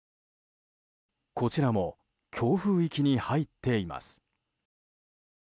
こちらも強風域に入っています。